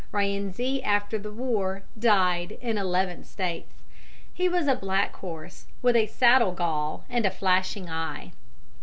Rienzi, after the war, died in eleven States. He was a black horse, with a saddle gall and a flashing eye.